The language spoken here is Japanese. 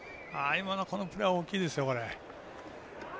今の、このプレーは大きいですよ。